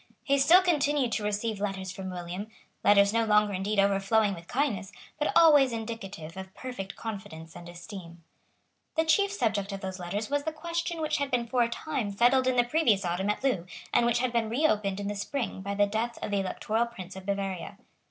He still continued to receive letters from William; letters no longer indeed overflowing with kindness, but always indicative of perfect confidence and esteem. The chief subject of those letters was the question which had been for a time settled in the previous autumn at Loo, and which had been reopened in the spring by the death of the Electoral Prince of Bavaria.